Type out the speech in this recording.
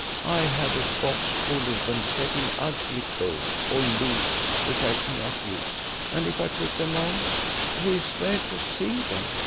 I have a box full of them set in ugly gold, or loose which I cannot use, and if I put them on, who is there to see them?